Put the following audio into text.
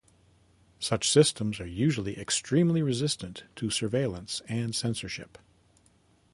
Such systems are usually extremely resistant to surveillance and censorship.